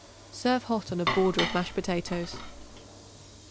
Serve hot on a border of mashed potatoes.